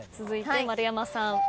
続いて丸山さん。